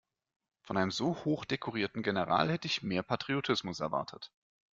Von einem so hochdekorierten General hätte ich mehr Patriotismus erwartet.